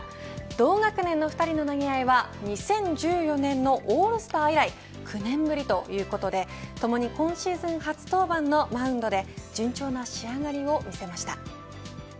同学年の２人の投げ合いは２０１４年のオールスター以来９年ぶりということでともに今シーズン初登板のマウンドで順調な仕上がりを見せました。